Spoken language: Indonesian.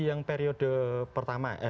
yang periode pertama